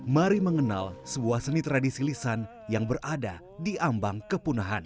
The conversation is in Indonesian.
mari mengenal sebuah seni tradisi lisan yang berada di ambang kepunahan